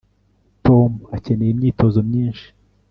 tom akeneye imyitozo myinshi